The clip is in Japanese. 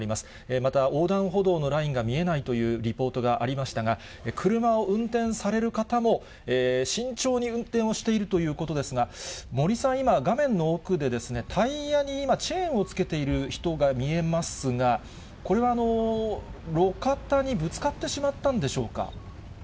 また横断歩道のラインが見えないというリポートがありましたが、車を運転される方も、慎重に運転をしているということですが、森さん、今、画面の奥で、タイヤに今、チェーンをつけている人が見えますが、これは路肩にぶつかってしまったんでしょうか。